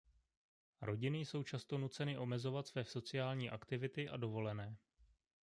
Rodiny jsou často nuceny omezovat své sociální aktivity a dovolené.